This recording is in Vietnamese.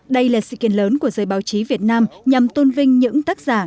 đây là sự kiện lớn của giới báo chí việt nam nhằm tôn vinh những tác giả